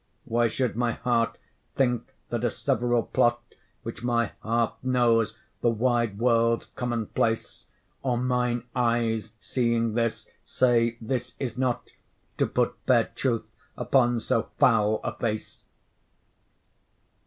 Why should my heart think that a several plot, Which my heart knows the wide world's common place? Or mine eyes, seeing this, say this is not, To put fair truth upon so foul a face?